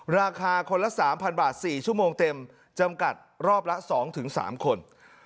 ราคาคนละสามพันบาทสี่ชั่วโมงเต็มจำกัดรอบละสองถึงสามคน